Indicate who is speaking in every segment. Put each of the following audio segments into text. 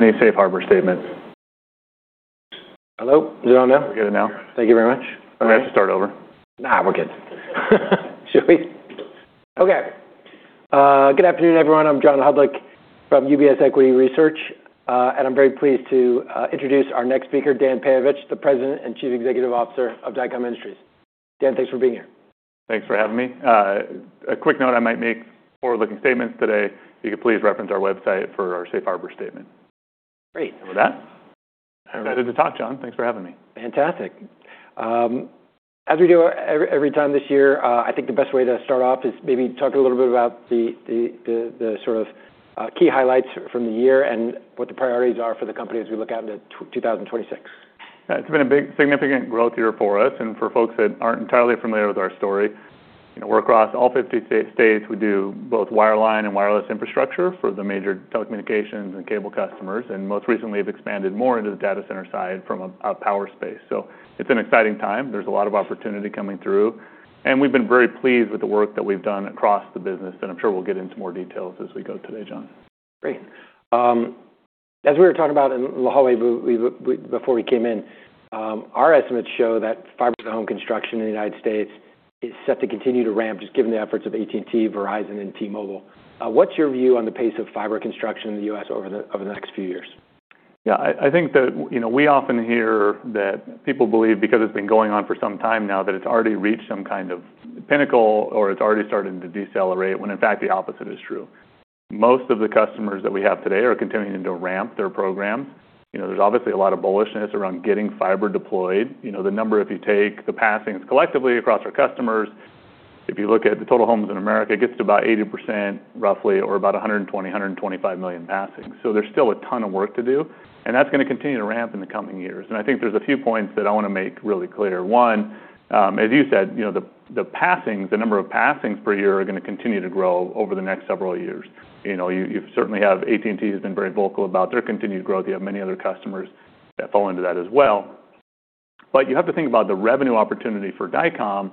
Speaker 1: For any safe harbor statements.
Speaker 2: Hello? Is it on now?
Speaker 1: We're good now.
Speaker 2: Thank you very much.
Speaker 1: We're going to have to start over.
Speaker 2: Nah, we're good.
Speaker 1: Should we? Okay. Good afternoon, everyone. I'm John Hodulik from UBS Equity Research, and I'm very pleased to introduce our next speaker, Dan Peyovich, the President and Chief Executive Officer of Dycom Industries. Dan, thanks for being here.
Speaker 3: Thanks for having me. A quick note I might make: forward-looking statements today. If you could please reference our website for our safe harbor statement.
Speaker 1: Great.
Speaker 3: With that, I'm excited to talk, John. Thanks for having me.
Speaker 1: Fantastic. As we do every time this year, I think the best way to start off is maybe talking a little bit about the sort of key highlights from the year and what the priorities are for the company as we look out into 2026.
Speaker 3: It's been a big, significant growth year for us and for folks that aren't entirely familiar with our story. We're across all 50 states. We do both wireline and wireless infrastructure for the major telecommunications and cable customers, and most recently have expanded more into the data center side from a power space. So it's an exciting time. There's a lot of opportunity coming through, and we've been very pleased with the work that we've done across the business, and I'm sure we'll get into more details as we go today, John.
Speaker 1: Great. As we were talking about in the hallway before we came in, our estimates show that fiber-to-the-home construction in the United States is set to continue to ramp just given the efforts of AT&T, Verizon, and T-Mobile. What's your view on the pace of fiber construction in the U.S. over the next few years?
Speaker 3: Yeah, I think that we often hear that people believe, because it's been going on for some time now, that it's already reached some kind of pinnacle or it's already starting to decelerate, when in fact the opposite is true. Most of the customers that we have today are continuing to ramp their programs. There's obviously a lot of bullishness around getting fiber deployed. The number, if you take the passings collectively across our customers, if you look at the total homes in America, it gets to about 80% roughly, or about 120-125 million passings. So there's still a ton of work to do, and that's going to continue to ramp in the coming years. And I think there's a few points that I want to make really clear. One, as you said, the number of passings per year are going to continue to grow over the next several years. You certainly have AT&T has been very vocal about their continued growth. You have many other customers that fall into that as well. But you have to think about the revenue opportunity for Dycom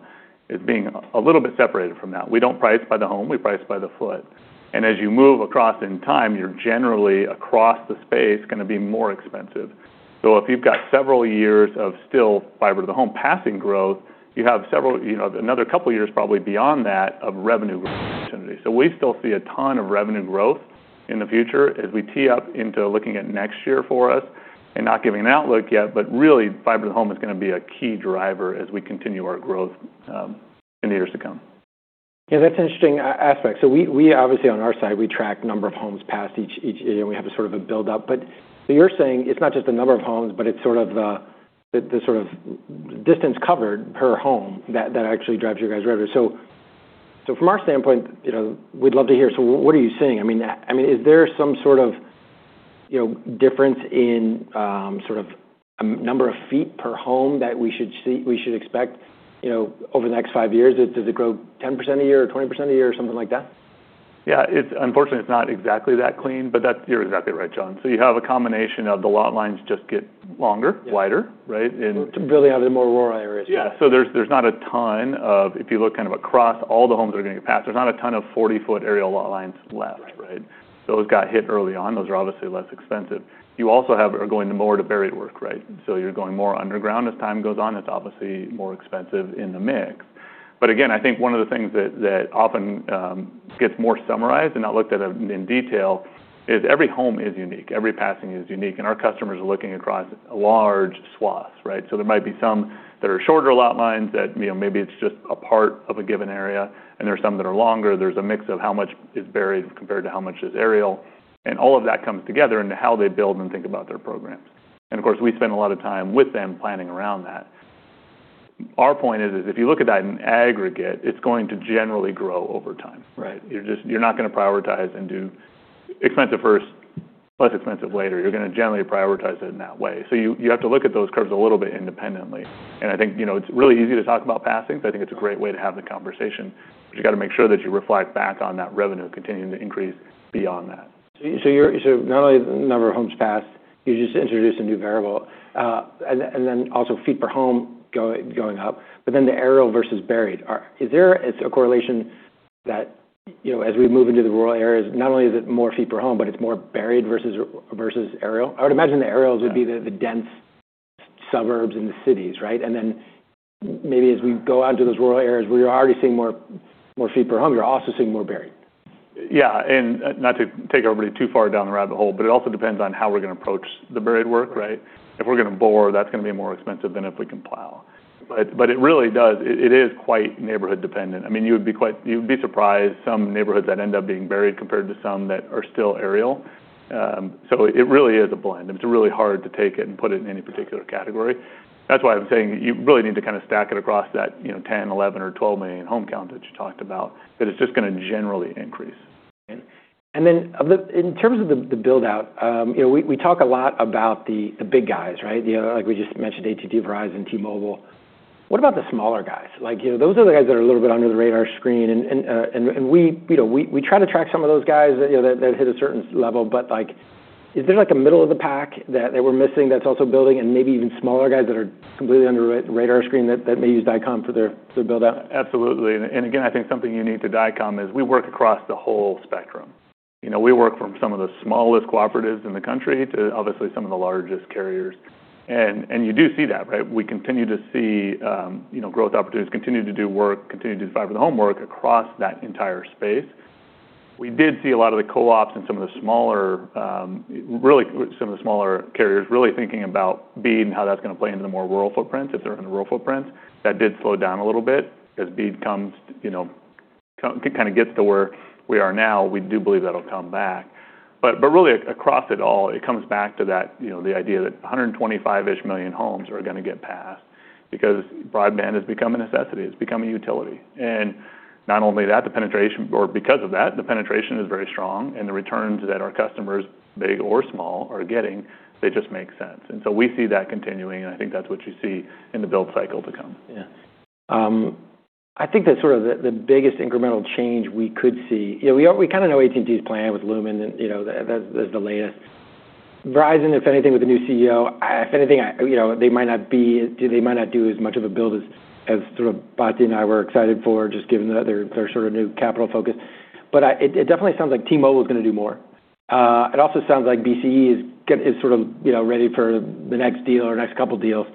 Speaker 3: as being a little bit separated from that. We don't price by the home. We price by the foot. And as you move across in time, you're generally, across the space, going to be more expensive. So if you've got several years of still fiber-to-home passing growth, you have another couple of years probably beyond that of revenue growth. So we still see a ton of revenue growth in the future as we tee up into looking at next year for us. Not giving an outlook yet, but really fiber-to-the-home is going to be a key driver as we continue our growth in the years to come.
Speaker 1: Yeah, that's an interesting aspect. So we, obviously, on our side, we track the number of homes passed each year, and we have a sort of a build-up. But you're saying it's not just the number of homes, but it's sort of the sort of distance covered per home that actually drives your guys' revenue. So from our standpoint, we'd love to hear, so what are you seeing? I mean, is there some sort of difference in sort of number of feet per home that we should expect over the next five years? Does it grow 10% a year or 20% a year or something like that?
Speaker 3: Yeah, unfortunately, it's not exactly that clean, but you're exactly right, John. So you have a combination of the lot lines just get longer, wider, right?
Speaker 1: Really out of the more rural areas.
Speaker 3: Yeah. So there's not a ton of, if you look kind of across all the homes that are going to get passed, there's not a ton of 40-foot aerial lot lines left, right? Those got hit early on. Those are obviously less expensive. You also are going more to buried work, right? So you're going more underground as time goes on. It's obviously more expensive in the mix. But again, I think one of the things that often gets more summarized and not looked at in detail is every home is unique. Every passing is unique. And our customers are looking across large swaths, right? So there might be some that are shorter lot lines that maybe it's just a part of a given area, and there are some that are longer. There's a mix of how much is buried compared to how much is aerial. And all of that comes together into how they build and think about their programs. And of course, we spend a lot of time with them planning around that. Our point is, if you look at that in aggregate, it's going to generally grow over time. You're not going to prioritize and do expensive first, less expensive later. You're going to generally prioritize it in that way. So you have to look at those curves a little bit independently. And I think it's really easy to talk about passings. I think it's a great way to have the conversation, but you've got to make sure that you reflect back on that revenue continuing to increase beyond that.
Speaker 1: So, not only the number of homes passed, you just introduced a new variable, and then also feet per home going up, but then the aerial versus buried. Is there a correlation that as we move into the rural areas, not only is it more feet per home, but it's more buried versus aerial? I would imagine the aerials would be the dense suburbs and the cities, right? And then maybe as we go out into those rural areas, we're already seeing more feet per home. You're also seeing more buried.
Speaker 3: Yeah. And not to take everybody too far down the rabbit hole, but it also depends on how we're going to approach the buried work, right? If we're going to bore, that's going to be more expensive than if we can plow. But it really does. It is quite neighborhood dependent. I mean, you would be surprised, some neighborhoods that end up being buried compared to some that are still aerial. So it really is a blend. It's really hard to take it and put it in any particular category. That's why I'm saying you really need to kind of stack it across that 10, 11, or 12 million home count that you talked about, that it's just going to generally increase.
Speaker 1: And then in terms of the build-out, we talk a lot about the big guys, right? Like we just mentioned AT&T, Verizon, T-Mobile. What about the smaller guys? Those are the guys that are a little bit under the radar screen. And we try to track some of those guys that hit a certain level, but is there a middle of the pack that we're missing that's also building? And maybe even smaller guys that are completely under the radar screen that may use Dycom for their build-out?
Speaker 3: Absolutely. And again, I think something unique to Dycom is we work across the whole spectrum. We work from some of the smallest cooperatives in the country to obviously some of the largest carriers. And you do see that, right? We continue to see growth opportunities, continue to do work, continue to do fiber-to-home work across that entire space. We did see a lot of the co-ops and some of the smaller, really some of the smaller carriers really thinking about BEAD and how that's going to play into the more rural footprints if they're in the rural footprints. That did slow down a little bit as BEAD kind of gets to where we are now. We do believe that'll come back. But really across it all, it comes back to the idea that 125-ish million homes are going to get passed because broadband is becoming a necessity. It's becoming a utility. And not only that, the penetration, or because of that, the penetration is very strong. And the returns that our customers, big or small, are getting, they just make sense. And so we see that continuing, and I think that's what you see in the build cycle to come.
Speaker 1: Yeah. I think that sort of the biggest incremental change we could see. We kind of know AT&T's plan with Lumen. That's the latest. Verizon, if anything, with the new CEO, if anything, they might not do as much of a build as sort of Batya and I were excited for, just given their sort of new capital focus. But it definitely sounds like T-Mobile is going to do more. It also sounds like BCE is sort of ready for the next deal or next couple of deals.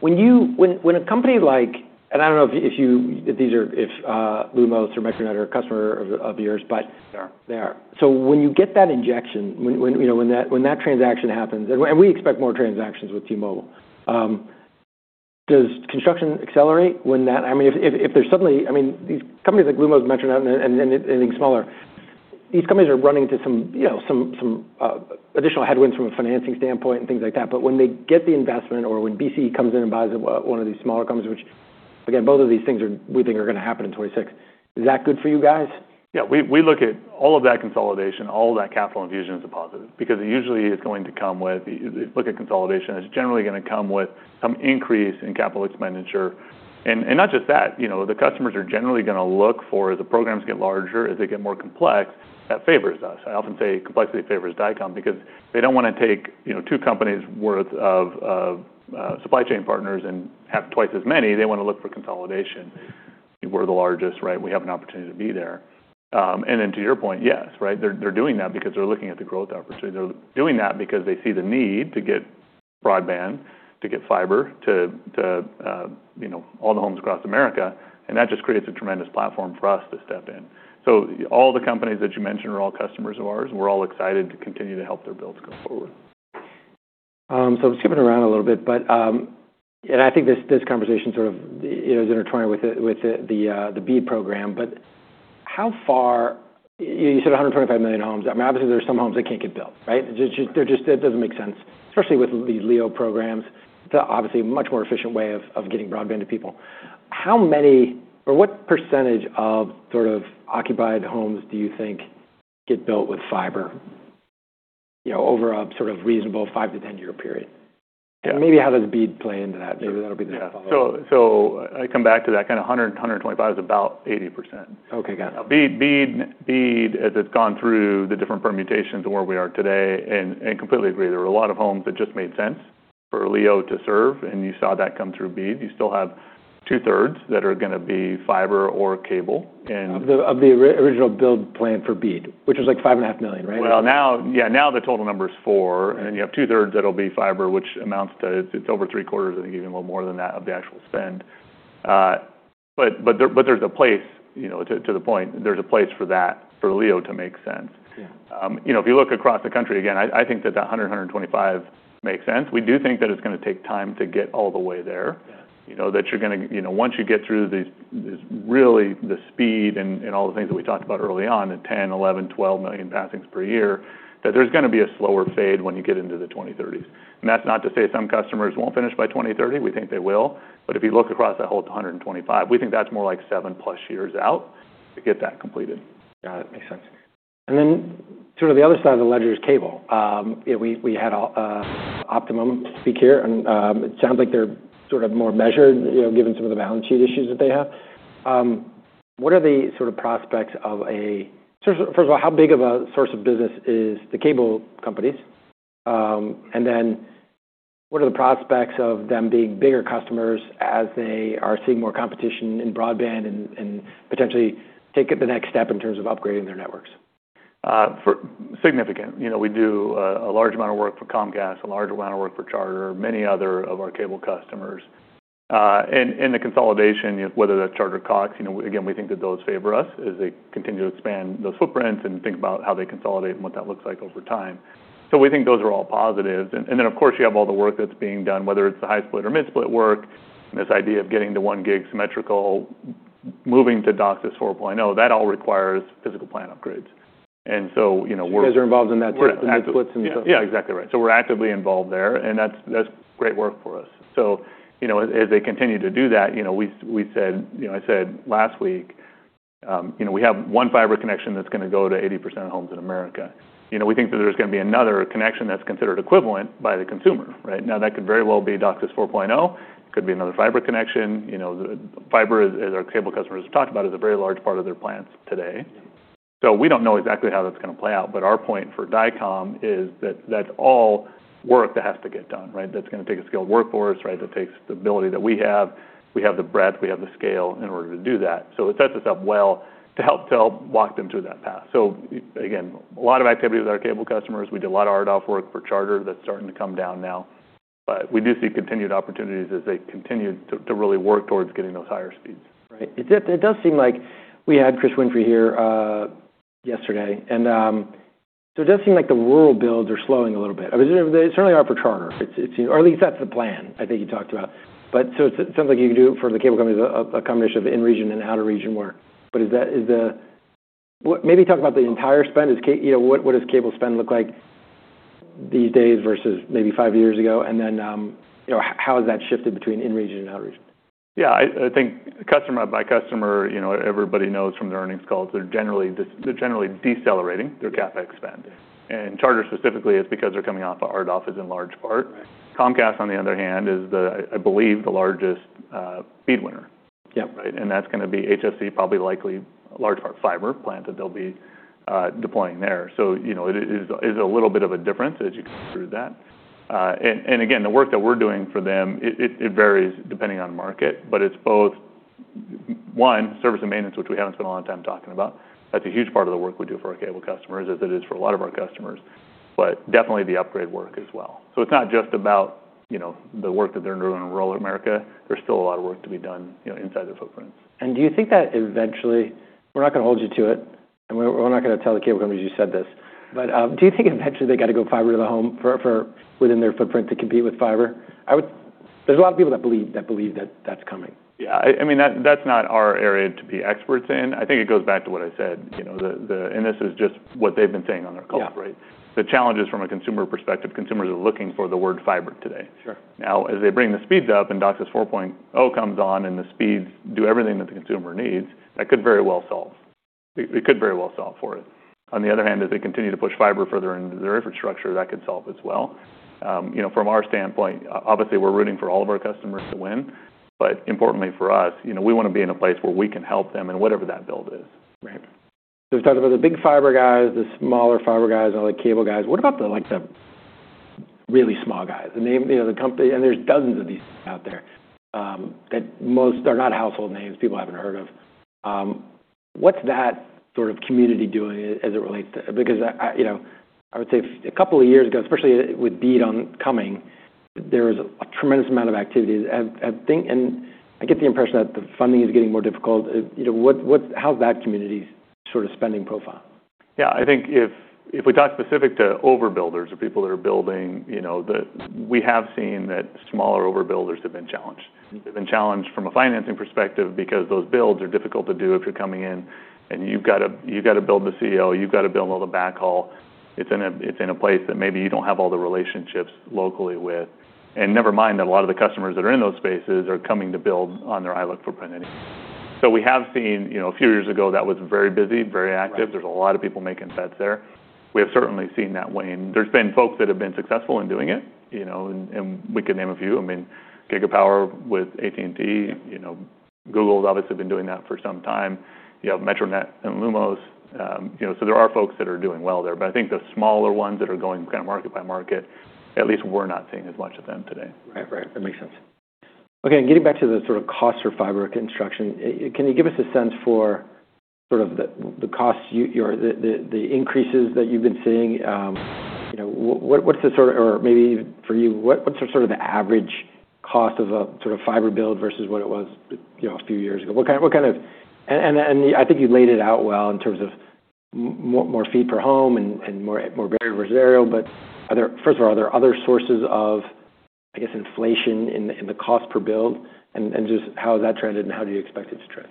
Speaker 1: When a company like, and I don't know if these are Lumos or Metronet or a customer of yours, but. They are. So when you get that injection, when that transaction happens, and we expect more transactions with T-Mobile, does construction accelerate? I mean, if there's suddenly, I mean, these companies like Lumos, Metronet, and anything smaller, these companies are running into some additional headwinds from a financing standpoint and things like that. But when they get the investment or when BCE comes in and buys one of these smaller companies, which again, both of these things we think are going to happen in 2026, is that good for you guys?
Speaker 3: Yeah. We look at all of that consolidation, all of that capital infusion as a positive because it usually is going to come with, look at consolidation, it's generally going to come with some increase in capital expenditure. And not just that. The customers are generally going to look for, as the programs get larger, as they get more complex, that favors us. I often say complexity favors Dycom because they don't want to take two companies' worth of supply chain partners and have twice as many. They want to look for consolidation. We're the largest, right? We have an opportunity to be there. And then to your point, yes, right? They're doing that because they're looking at the growth opportunity. They're doing that because they see the need to get broadband, to get fiber to all the homes across America. That just creates a tremendous platform for us to step in. All the companies that you mentioned are all customers of ours. We're all excited to continue to help their builds go forward.
Speaker 1: So I was skipping around a little bit, but I think this conversation sort of is intertwined with the BEAD program, but how far? You said 125 million homes. I mean, obviously, there are some homes that can't get built, right? That doesn't make sense, especially with the LEO programs. It's obviously a much more efficient way of getting broadband to people. How many or what percentage of sort of occupied homes do you think get built with fiber over a sort of reasonable 5- to 10-year period? And maybe how does BEAD play into that? Maybe that'll be the next follow-up.
Speaker 3: So I come back to that kind of 100, 125 is about 80%.
Speaker 1: Okay, got it.
Speaker 3: BEAD, as it's gone through the different permutations of where we are today, and I completely agree. There were a lot of homes that just made sense for LEO to serve, and you saw that come through BEAD. You still have two-thirds that are going to be fiber or cable.
Speaker 1: Of the original build plan for BEAD, which was like 5.5 million, right?
Speaker 3: Now the total number is four, and then you have two-thirds that'll be fiber, which amounts to it's over three-quarters, I think, even a little more than that of the actual spend. But to the point, there's a place for that, for LEO to make sense. If you look across the country, again, I think that 100, 125 makes sense. We do think that it's going to take time to get all the way there, that you're going to, once you get through this, really, the speed and all the things that we talked about early on, the 10, 11, 12 million passings per year, that there's going to be a slower fade when you get into the 2030s. That's not to say some customers won't finish by 2030. We think they will. But if you look across that whole 125, we think that's more like seven-plus years out to get that completed.
Speaker 1: Got it. Makes sense. And then sort of the other side of the ledger is cable. We had Optimum speak here, and it sounds like they're sort of more measured, given some of the balance sheet issues that they have. What are the sort of prospects of a, first of all, how big of a source of business is the cable companies? And then what are the prospects of them being bigger customers as they are seeing more competition in broadband and potentially take the next step in terms of upgrading their networks?
Speaker 3: Significant. We do a large amount of work for Comcast, a large amount of work for Charter, many other of our cable customers. The consolidation, whether that's Charter or Cox, again, we think that those favor us as they continue to expand those footprints and think about how they consolidate and what that looks like over time. We think those are all positives. Then, of course, you have all the work that's being done, whether it's the high-split or mid-split work, this idea of getting to one gig symmetrical, moving to DOCSIS 4.0, that all requires physical plant upgrades. So we're.
Speaker 1: You guys are involved in that too, the mid-splits and stuff?
Speaker 3: Yeah, exactly right. So we're actively involved there, and that's great work for us. So as they continue to do that, I said last week, we have one fiber connection that's going to go to 80% of homes in America. We think that there's going to be another connection that's considered equivalent by the consumer, right? Now, that could very well be DOCSIS 4.0. It could be another fiber connection. Fiber, as our cable customers have talked about, is a very large part of their plants today. So we don't know exactly how that's going to play out, but our point for Dycom is that that's all work that has to get done, right? That takes a skilled workforce, right? That takes the ability that we have. We have the breadth. We have the scale in order to do that. So it sets us up well to help walk them through that path. So again, a lot of activity with our cable customers. We did a lot of RDOF work for Charter that's starting to come down now. But we do see continued opportunities as they continue to really work towards getting those higher speeds.
Speaker 1: Right. It does seem like we had Chris Winfrey here yesterday. And so it does seem like the rural builds are slowing a little bit. I mean, they certainly are for Charter, or at least that's the plan, I think you talked about. But so it sounds like you can do it for the cable companies, a combination of in-region and out-of-region work. But maybe talk about the entire spend. What does cable spend look like these days versus maybe five years ago? And then how has that shifted between in-region and out-of-region?
Speaker 3: Yeah. I think customer by customer, everybody knows from the earnings calls, they're generally decelerating their CapEx spend, and Charter specifically is because they're coming off of RDOF in large part. Comcast, on the other hand, is, I believe, the largest BEAD winner, right? And that's going to be HFC, probably likely a large part fiber plant that they'll be deploying there. So it is a little bit of a difference as you go through that. And again, the work that we're doing for them, it varies depending on market, but it's both, one, service and maintenance, which we haven't spent a lot of time talking about. That's a huge part of the work we do for our cable customers, as it is for a lot of our customers, but definitely the upgrade work as well. So it's not just about the work that they're doing in rural America. There's still a lot of work to be done inside their footprints.
Speaker 1: Do you think that eventually, we're not going to hold you to it, and we're not going to tell the cable companies you said this, but do you think eventually they got to go fiber to the home within their footprint to compete with fiber? There's a lot of people that believe that that's coming.
Speaker 3: Yeah. I mean, that's not our area to be experts in. I think it goes back to what I said, and this is just what they've been saying on their calls, right? The challenge is from a consumer perspective. Consumers are looking for the word fiber today. Now, as they bring the speeds up and DOCSIS 4.0 comes on and the speeds do everything that the consumer needs, that could very well solve. It could very well solve for it. On the other hand, as they continue to push fiber further into their infrastructure, that could solve as well. From our standpoint, obviously, we're rooting for all of our customers to win, but importantly for us, we want to be in a place where we can help them in whatever that build is.
Speaker 1: Right, so we talked about the big fiber guys, the smaller fiber guys, and all the cable guys. What about the really small guys? The name, the company, and there's dozens of these out there that most are not household names, people haven't heard of. What's that sort of community doing as it relates to? Because I would say a couple of years ago, especially with BEAD oncoming, there was a tremendous amount of activity, and I get the impression that the funding is getting more difficult. How's that community's sort of spending profile?
Speaker 3: Yeah. I think if we talk specific to overbuilders or people that are building, we have seen that smaller overbuilders have been challenged. They've been challenged from a financing perspective because those builds are difficult to do if you're coming in and you've got to build the CLEC, you've got to build all the backhaul. It's in a place that maybe you don't have all the relationships locally with. And never mind that a lot of the customers that are in those spaces are coming to build on their ILEC footprint. So we have seen a few years ago that was very busy, very active. There's a lot of people making bets there. We have certainly seen that wane. There's been folks that have been successful in doing it, and we can name a few. I mean, Gigapower with AT&T, Google's obviously been doing that for some time. You have Metronet and Lumos. So there are folks that are doing well there. But I think the smaller ones that are going kind of market by market, at least we're not seeing as much of them today.
Speaker 1: Right, right. That makes sense. Okay. And getting back to the sort of cost for fiber construction, can you give us a sense for sort of the costs, the increases that you've been seeing? What's the sort of, or maybe for you, what's the sort of the average cost of a sort of fiber build versus what it was a few years ago? What kind of, and I think you laid it out well in terms of more feet per home and more variable residential, but first of all, are there other sources of, I guess, inflation in the cost per build? And just how has that trended and how do you expect it to trend?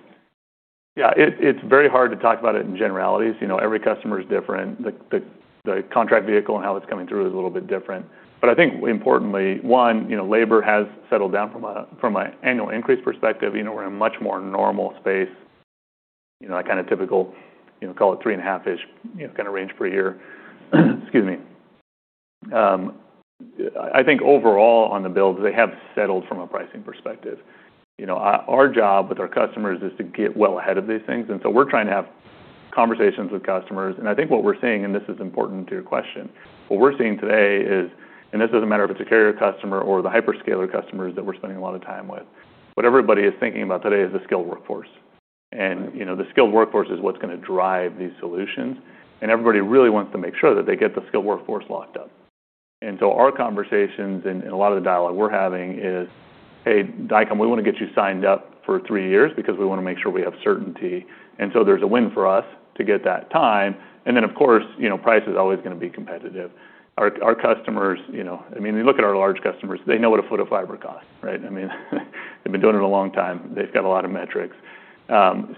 Speaker 3: Yeah. It's very hard to talk about it in generalities. Every customer is different. The contract vehicle and how it's coming through is a little bit different. But I think importantly, one, labor has settled down from an annual increase perspective. We're in a much more normal space, that kind of typical, call it three and a half-ish kind of range per year. Excuse me. I think overall on the builds, they have settled from a pricing perspective. Our job with our customers is to get well ahead of these things. And so we're trying to have conversations with customers. And I think what we're seeing, and this is important to your question, what we're seeing today is, and this doesn't matter if it's a carrier customer or the hyperscaler customers that we're spending a lot of time with, what everybody is thinking about today is the skilled workforce. And the skilled workforce is what's going to drive these solutions. And everybody really wants to make sure that they get the skilled workforce locked up. And so our conversations and a lot of the dialogue we're having is, "Hey, Dycom, we want to get you signed up for three years because we want to make sure we have certainty." And so there's a win for us to get that time. And then, of course, price is always going to be competitive. Our customers, I mean, they look at our large customers. They know what a foot of fiber costs, right? I mean, they've been doing it a long time. They've got a lot of metrics.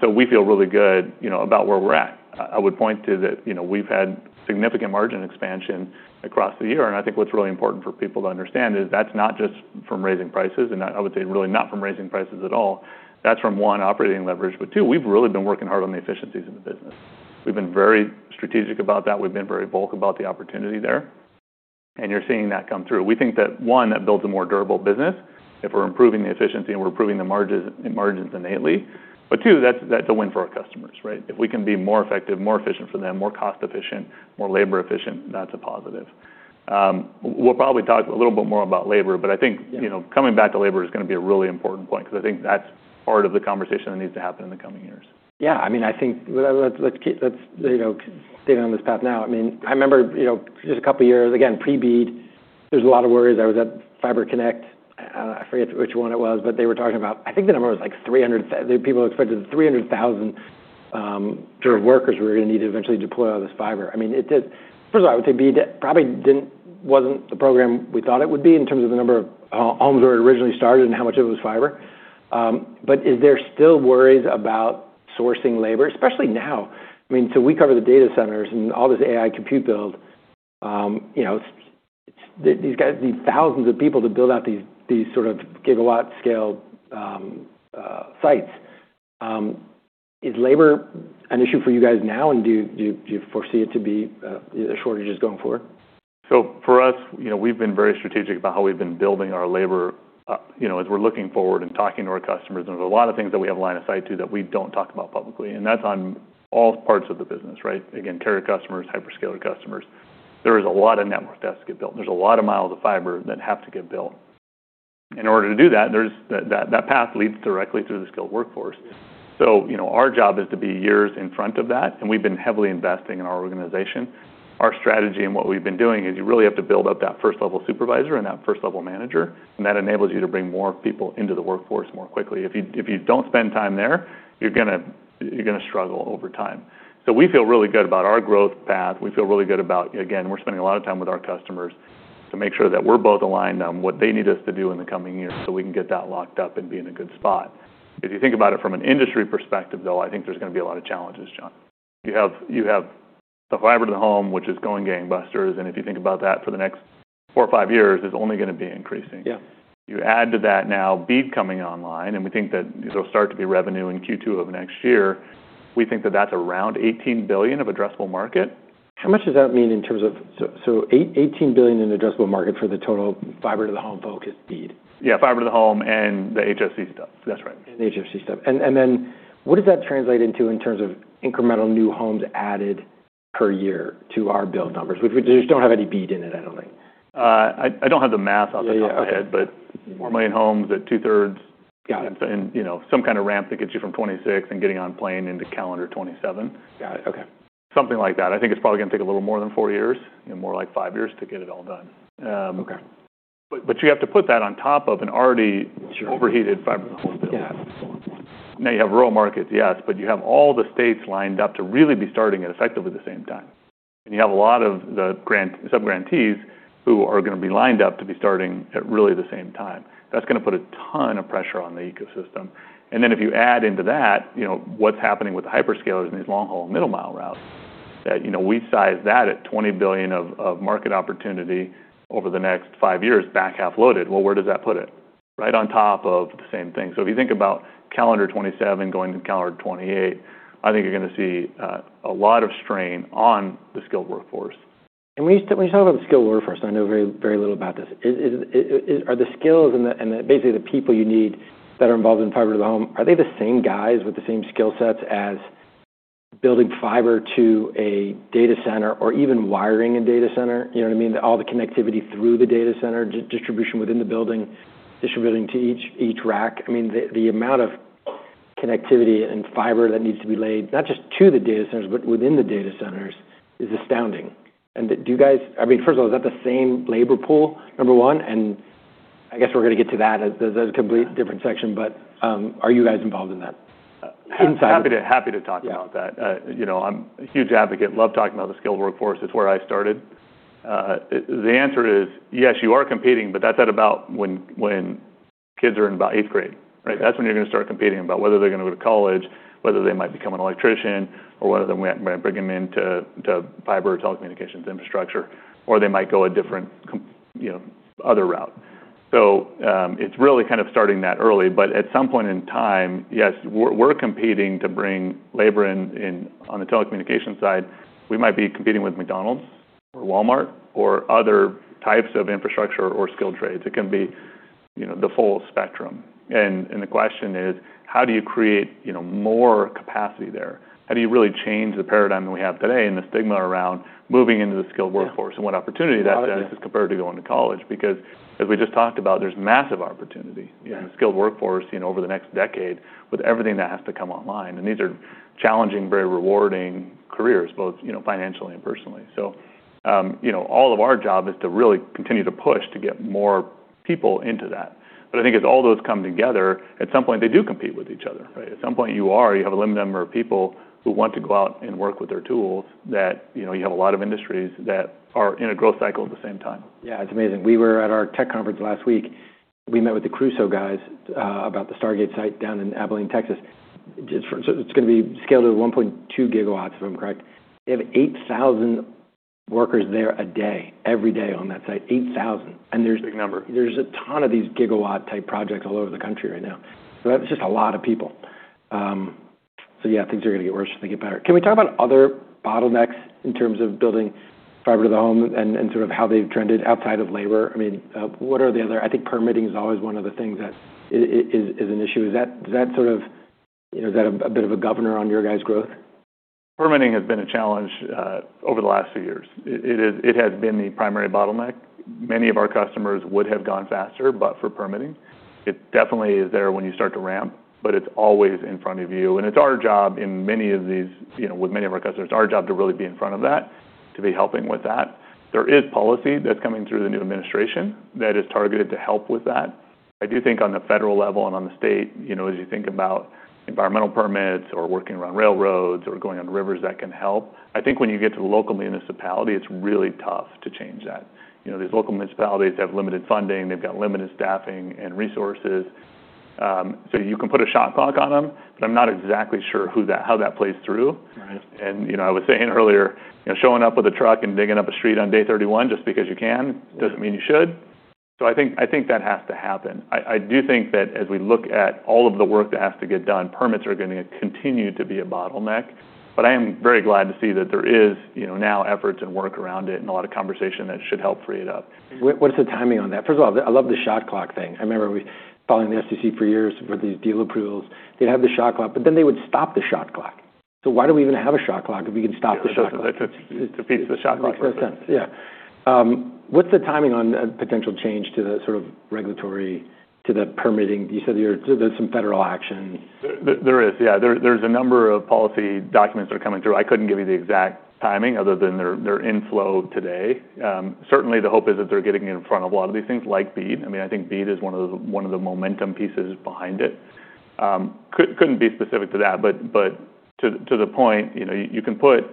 Speaker 3: So we feel really good about where we're at. I would point to that we've had significant margin expansion across the year. I think what's really important for people to understand is that's not just from raising prices, and I would say really not from raising prices at all. That's from, one, operating leverage, but two, we've really been working hard on the efficiencies of the business. We've been very strategic about that. We've been very vocal about the opportunity there. And you're seeing that come through. We think that, one, that builds a more durable business if we're improving the efficiency and we're improving the margins innately. But two, that's a win for our customers, right? If we can be more effective, more efficient for them, more cost-efficient, more labor-efficient, that's a positive. We'll probably talk a little bit more about labor, but I think coming back to labor is going to be a really important point because I think that's part of the conversation that needs to happen in the coming years.
Speaker 1: Yeah. I mean, I think let's stay on this path now. I mean, I remember just a couple of years, again, pre-BEAD, there's a lot of worries. I was at Fiber Connect. I forget which one it was, but they were talking about, I think the number was like 300,000. People expected 300,000 sort of workers we were going to need to eventually deploy all this fiber. I mean, first of all, I would say BEAD probably wasn't the program we thought it would be in terms of the number of homes where it originally started and how much of it was fiber. But is there still worries about sourcing labor, especially now? I mean, so we cover the data centers and all this AI compute build. These thousands of people to build out these sort of gigawatt scale sites. Is labor an issue for you guys now, and do you foresee it to be the shortages going forward?
Speaker 3: For us, we've been very strategic about how we've been building our labor as we're looking forward and talking to our customers. There's a lot of things that we have a line of sight to that we don't talk about publicly. That's on all parts of the business, right? Again, carrier customers, hyperscaler customers. There is a lot of network that has to get built. There's a lot of miles of fiber that have to get built. In order to do that, that path leads directly through the skilled workforce. Our job is to be years in front of that, and we've been heavily investing in our organization. Our strategy and what we've been doing is you really have to build up that first-level supervisor and that first-level manager, and that enables you to bring more people into the workforce more quickly. If you don't spend time there, you're going to struggle over time. So we feel really good about our growth path. We feel really good about, again, we're spending a lot of time with our customers to make sure that we're both aligned on what they need us to do in the coming years so we can get that locked up and be in a good spot. If you think about it from an industry perspective, though, I think there's going to be a lot of challenges, John. You have the fiber to the home, which is going gangbusters. And if you think about that for the next four or five years, it's only going to be increasing. You add to that now, BEAD coming online, and we think that there'll start to be revenue in Q2 of next year. We think that that's around $18 billion of addressable market.
Speaker 1: How much does that mean in terms of, so $18 billion in addressable market for the total fiber to the home focus BEAD?
Speaker 3: Yeah, fiber to the home and the HFC stuff. That's right.
Speaker 1: And the HFC stuff. And then what does that translate into in terms of incremental new homes added per year to our build numbers? We just don't have any BEAD in it, I don't think.
Speaker 3: I don't have the math off the top of my head, but four million homes at two-thirds and some kind of ramp that gets you from 2026 and getting on plane into calendar 2027.
Speaker 2: Got it. Okay.
Speaker 3: Something like that. I think it's probably going to take a little more than four years, more like five years to get it all done. But you have to put that on top of an already overheated fiber to the home build. Now you have rural markets, yes, but you have all the states lined up to really be starting at effectively the same time. And you have a lot of the sub-grantees who are going to be lined up to be starting at really the same time. That's going to put a ton of pressure on the ecosystem. And then if you add into that what's happening with the hyperscalers in these long-haul and middle-mile routes, that we size that at $20 billion of market opportunity over the next five years, back half loaded. Well, where does that put it? Right on top of the same thing. So if you think about calendar 2027 going to calendar 2028, I think you're going to see a lot of strain on the skilled workforce.
Speaker 1: When you talk about the skilled workforce, I know very, very little about this. Are the skills and basically the people you need that are involved in fiber to the home, are they the same guys with the same skill sets as building fiber to a data center or even wiring a data center? You know what I mean? All the connectivity through the data center, distribution within the building, distributing to each rack. I mean, the amount of connectivity and fiber that needs to be laid, not just to the data centers, but within the data centers is astounding. Do you guys, I mean, first of all, is that the same labor pool, number one? I guess we're going to get to that as a complete different section, but are you guys involved in that inside?
Speaker 3: Happy to talk about that. I'm a huge advocate. Love talking about the skilled workforce. It's where I started. The answer is, yes, you are competing, but that's at about when kids are in about eighth grade, right? That's when you're going to start competing about whether they're going to go to college, whether they might become an electrician, or whether they might bring them into fiber telecommunications infrastructure, or they might go a different other route, so it's really kind of starting that early, but at some point in time, yes, we're competing to bring labor in on the telecommunication side. We might be competing with McDonald's or Walmart or other types of infrastructure or skilled trades. It can be the full spectrum, and the question is, how do you create more capacity there? How do you really change the paradigm that we have today and the stigma around moving into the skilled workforce and what opportunity that has compared to going to college? Because as we just talked about, there's massive opportunity in the skilled workforce over the next decade with everything that has to come online. And these are challenging, very rewarding careers, both financially and personally. So all of our job is to really continue to push to get more people into that. But I think as all those come together, at some point, they do compete with each other, right? At some point, you have a limited number of people who want to go out and work with their tools that you have a lot of industries that are in a growth cycle at the same time.
Speaker 1: Yeah, it's amazing. We were at our tech conference last week. We met with the Crusoe guys about the Stargate site down in Abilene, Texas. It's going to be scaled to 1.2 gigawatts, if I'm correct. They have 8,000 workers there a day, every day on that site. 8,000. And there's a ton of these gigawatt-type projects all over the country right now. So that's just a lot of people. So yeah, things are going to get worse if they get better. Can we talk about other bottlenecks in terms of building fiber to the home and sort of how they've trended outside of labor? I mean, what are the other? I think permitting is always one of the things that is an issue. Is that sort of, is that a bit of a governor on your guys' growth?
Speaker 3: Permitting has been a challenge over the last few years. It has been the primary bottleneck. Many of our customers would have gone faster, but for permitting. It definitely is there when you start to ramp, but it's always in front of you, and it's our job in many of these, with many of our customers, it's our job to really be in front of that, to be helping with that. There is policy that's coming through the new administration that is targeted to help with that. I do think on the federal level and on the state, as you think about environmental permits or working around railroads or going on rivers, that can help. I think when you get to the local municipality, it's really tough to change that. These local municipalities have limited funding. They've got limited staffing and resources. So you can put a shot clock on them, but I'm not exactly sure how that plays through. And I was saying earlier, showing up with a truck and digging up a street on day 31 just because you can doesn't mean you should. So I think that has to happen. I do think that as we look at all of the work that has to get done, permits are going to continue to be a bottleneck. But I am very glad to see that there is now efforts and work around it and a lot of conversation that should help free it up.
Speaker 1: What's the timing on that? First of all, I love the shot clock thing. I remember following the SEC for years for these deal approvals. They'd have the shot clock, but then they would stop the shot clock. So why do we even have a shot clock if we can stop the shot clock?
Speaker 3: It's a piece of the shot clock.
Speaker 1: Makes no sense. Yeah. What's the timing on potential change to the sort of regulatory, to the permitting? You said there's some federal action.
Speaker 3: There is, yeah. There's a number of policy documents that are coming through. I couldn't give you the exact timing other than their inflow today. Certainly, the hope is that they're getting in front of a lot of these things like BEAD. I mean, I think BEAD is one of the momentum pieces behind it. Couldn't be specific to that, but to the point, you can put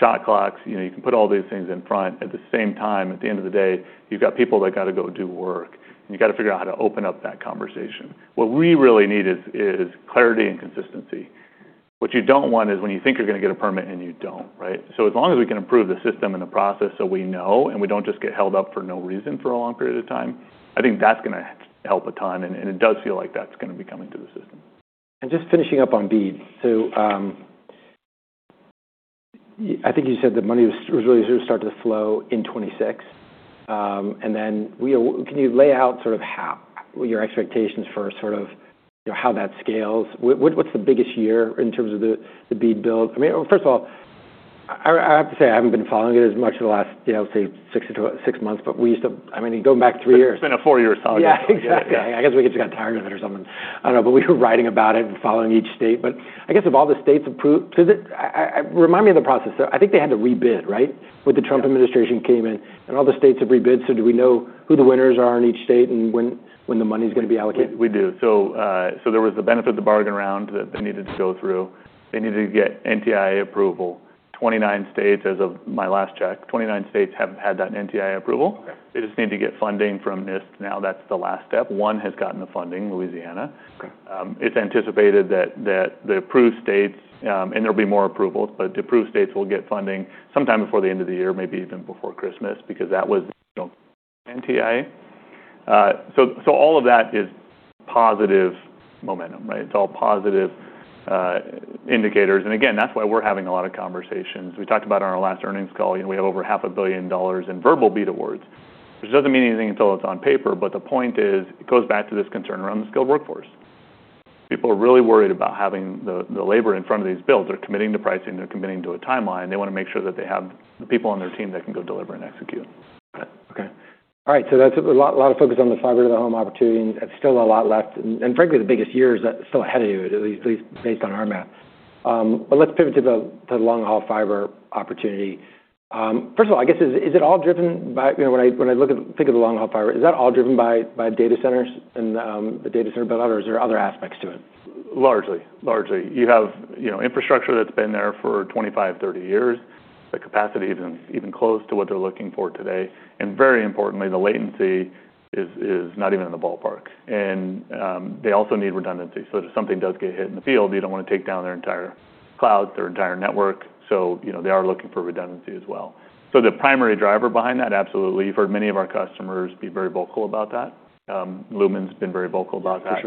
Speaker 3: shot clocks, you can put all these things in front. At the same time, at the end of the day, you've got people that got to go do work, and you got to figure out how to open up that conversation. What we really need is clarity and consistency. What you don't want is when you think you're going to get a permit and you don't, right? So as long as we can improve the system and the process so we know and we don't just get held up for no reason for a long period of time, I think that's going to help a ton. And it does feel like that's going to be coming to the system.
Speaker 1: And just finishing up on BEAD. So I think you said the money was really sort of starting to flow in 2026. And then can you lay out sort of your expectations for sort of how that scales? What's the biggest year in terms of the BEAD build? I mean, first of all, I have to say I haven't been following it as much in the last, I'll say, six months, but we used to, I mean, going back three years.
Speaker 3: It's been a four-year consolidation.
Speaker 1: Yeah, exactly. I guess we just got tired of it or something. I don't know, but we were writing about it and following each state. But I guess of all the states, remind me of the process. So I think they had to rebid, right? When the Trump administration came in and all the states have rebid, so do we know who the winners are in each state and when the money's going to be allocated?
Speaker 3: We do. So there was the benefit of the bargain round that they needed to go through. They needed to get NTIA approval. 29 states, as of my last check, 29 states have had that NTIA approval. They just need to get funding from NIST now. That's the last step. One has gotten the funding, Louisiana. It's anticipated that the approved states, and there'll be more approvals, but the approved states will get funding sometime before the end of the year, maybe even before Christmas, because that was NTIA. So all of that is positive momentum, right? It's all positive indicators. And again, that's why we're having a lot of conversations. We talked about on our last earnings call, we have over $500 million in verbal BEAD awards. Which doesn't mean anything until it's on paper, but the point is it goes back to this concern around the skilled workforce. People are really worried about having the labor in front of these builds. They're committing to pricing. They're committing to a timeline. They want to make sure that they have the people on their team that can go deliver and execute.
Speaker 1: Okay. All right. So that's a lot of focus on the fiber to the home opportunity. That's still a lot left. And frankly, the biggest year is still ahead of you, at least based on our math. But let's pivot to the long-haul fiber opportunity. First of all, I guess, is it all driven by, when I think of the long-haul fiber, is that all driven by data centers and the data center build-out, or are there other aspects to it? Largely, largely. You have infrastructure that's been there for 25, 30 years. The capacity isn't even close to what they're looking for today. And very importantly, the latency is not even in the ballpark. And they also need redundancy. So if something does get hit in the field, you don't want to take down their entire cloud, their entire network. So they are looking for redundancy as well. So the primary driver behind that, absolutely. You've heard many of our customers be very vocal about that. Lumen's been very vocal about that.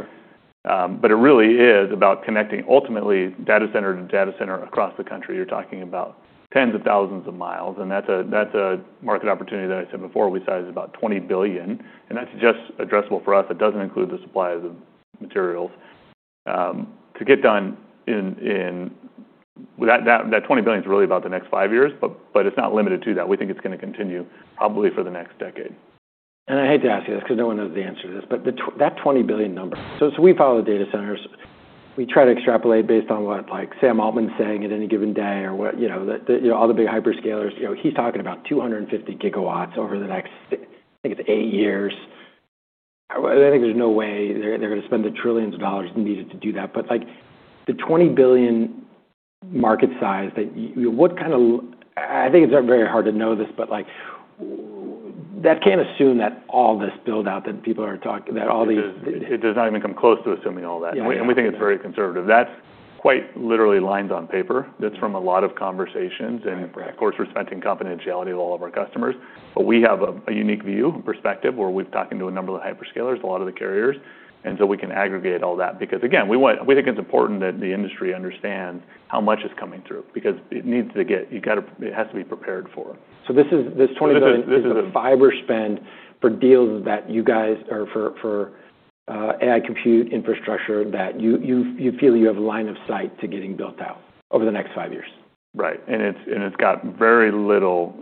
Speaker 1: But it really is about connecting ultimately data center to data center across the country. You're talking about tens of thousands of miles. And that's a market opportunity that I said before we sized about $20 billion. And that's just addressable for us. It doesn't include the supply of the materials. To get done in that $20 billion is really about the next five years, but it's not limited to that. We think it's going to continue probably for the next decade. I hate to ask you this because no one knows the answer to this, but that $20 billion number. So we follow the data centers. We try to extrapolate based on what Sam Altman's saying at any given day or what all the big hyperscalers. He's talking about 250 gigawatts over the next, I think it's eight years. I think there's no way they're going to spend the $ trillions needed to do that. But the $20 billion market size that what kind of, I think it's very hard to know this, but that can't assume that all this build-out that people are talking that all the.
Speaker 3: It does not even come close to assuming all that, and we think it's very conservative. That's quite literally lines on paper. That's from a lot of conversations and, of course, respecting confidentiality of all of our customers, but we have a unique view and perspective where we've talked to a number of the hyperscalers, a lot of the carriers, and so we can aggregate all that because, again, we think it's important that the industry understands how much is coming through because it needs to get, it has to be prepared for.
Speaker 1: This $20 billion is a fiber spend for deals that you guys are for AI compute infrastructure that you feel you have a line of sight to getting built out over the next five years.
Speaker 3: Right, and it's got very little,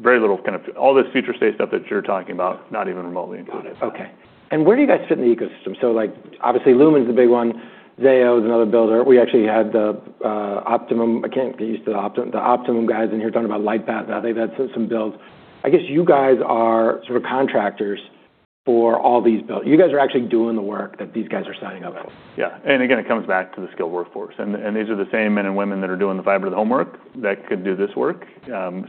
Speaker 3: very little kind of all this future-state stuff that you're talking about, not even remotely included.
Speaker 1: Okay. And where do you guys fit in the ecosystem? So obviously, Lumen is the big one. Zayo is another builder. We actually had the Optimum. I can't get used to the Optimum guys in here talking about Lightpath. I think that's some builds. I guess you guys are sort of contractors for all these builds. You guys are actually doing the work that these guys are signing up for.
Speaker 3: Yeah. And again, it comes back to the skilled workforce. And these are the same men and women that are doing the fiber to the home work that could do this work.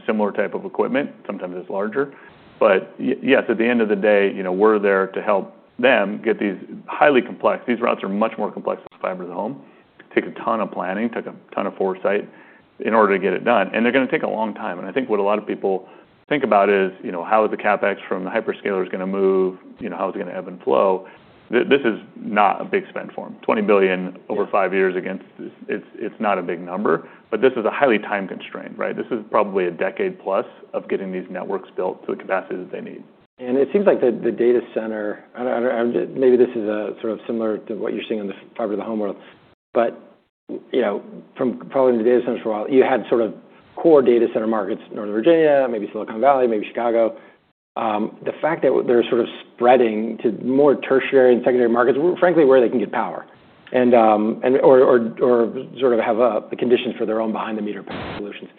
Speaker 3: Similar type of equipment, sometimes it's larger. But yes, at the end of the day, we're there to help them get these highly complex. These routes are much more complex than fiber to the home. It takes a ton of planning, took a ton of foresight in order to get it done. And they're going to take a long time. And I think what a lot of people think about is how is the CapEx from the hyperscalers going to move? How is it going to ebb and flow? This is not a big spend for them. $20 billion over five years against, it's not a big number, but this is a highly time-constrained, right? This is probably a decade plus of getting these networks built to the capacity that they need.
Speaker 1: It seems like the data center, maybe this is sort of similar to what you're seeing on the fiber to the home world, but from following the data centers for a while, you had sort of core data center markets, Northern Virginia, maybe Silicon Valley, maybe Chicago. The fact that they're sort of spreading to more tertiary and secondary markets, frankly, where they can get power or sort of have the conditions for their own behind-the-meter solutions.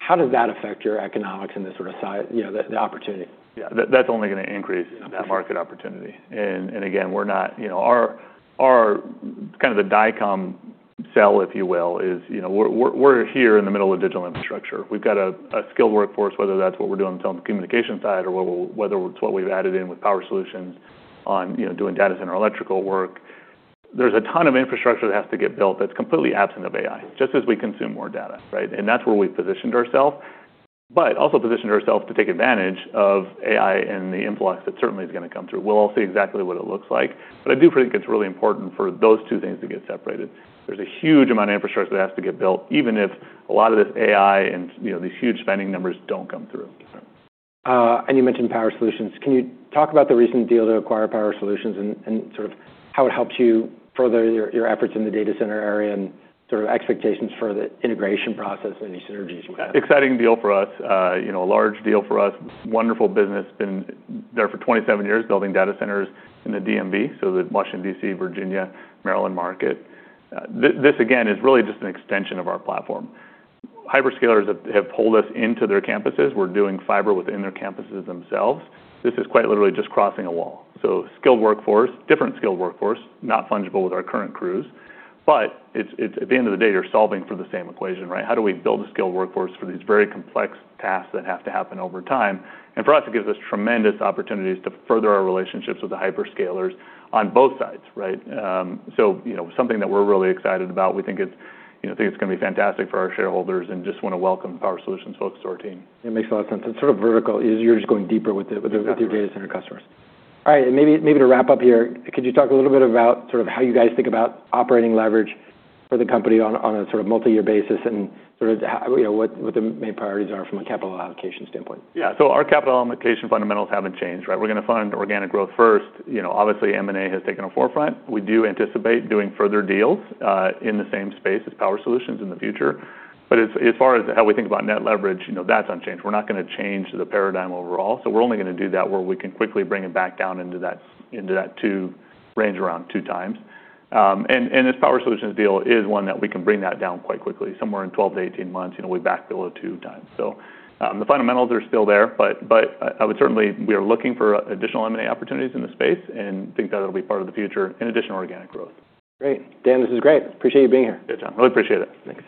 Speaker 1: How does that affect your economics and the sort of the opportunity?
Speaker 3: Yeah. That's only going to increase the market opportunity. And again, we're not, our kind of the Dycom cell, if you will, is we're here in the middle of digital infrastructure. We've got a skilled workforce, whether that's what we're doing on the telecommunication side or whether it's what we've added in with Power Solutions on doing data center electrical work. There's a ton of infrastructure that has to get built that's completely absent of AI, just as we consume more data, right? And that's where we've positioned ourselves, but also positioned ourselves to take advantage of AI and the influx that certainly is going to come through. We'll all see exactly what it looks like. But I do think it's really important for those two things to get separated. There's a huge amount of infrastructure that has to get built, even if a lot of this AI and these huge spending numbers don't come through.
Speaker 1: You mentioned Power Solutions. Can you talk about the recent deal to acquire Power Solutions and sort of how it helps you further your efforts in the data center area and sort of expectations for the integration process and these synergies?
Speaker 3: Exciting deal for us. A large deal for us. Wonderful business. Been there for 27 years building data centers in the DMV, so the Washington, D.C., Virginia, Maryland market. This, again, is really just an extension of our platform. Hyperscalers have pulled us into their campuses. We're doing fiber within their campuses themselves. This is quite literally just crossing a wall, so skilled workforce, different skilled workforce, not fungible with our current crews, but at the end of the day, you're solving for the same equation, right? How do we build a skilled workforce for these very complex tasks that have to happen over time, and for us, it gives us tremendous opportunities to further our relationships with the hyperscalers on both sides, right, so something that we're really excited about. We think it's going to be fantastic for our shareholders and just want to welcome the Power Solutions folks to our team.
Speaker 1: It makes a lot of sense. It's sort of vertical. You're just going deeper with your data center customers. All right. And maybe to wrap up here, could you talk a little bit about sort of how you guys think about operating leverage for the company on a sort of multi-year basis and sort of what the main priorities are from a capital allocation standpoint?
Speaker 3: Yeah. So our capital allocation fundamentals haven't changed, right? We're going to fund organic growth first. Obviously, M&A has taken a forefront. We do anticipate doing further deals in the same space as Power Solutions in the future. But as far as how we think about net leverage, that's unchanged. We're not going to change the paradigm overall. So we're only going to do that where we can quickly bring it back down into that two range around two times. And this Power Solutions deal is one that we can bring that down quite quickly, somewhere in 12-18 months. We'll be back below two times. So the fundamentals are still there, but I would certainly, we are looking for additional M&A opportunities in the space and think that it'll be part of the future in addition to organic growth.
Speaker 1: Great. Dan, this is great. Appreciate you being here.
Speaker 3: Good, John. Really appreciate it.